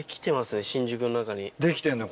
できてんのよ